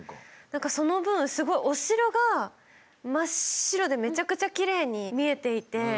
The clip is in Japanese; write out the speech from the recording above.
何かその分お城が真っ白でめちゃくちゃきれいに見えていて。